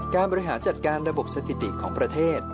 บริหารจัดการระบบสถิติของประเทศ